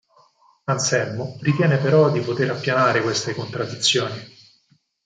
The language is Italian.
Anselmo ritiene però di poter appianare queste contraddizioni.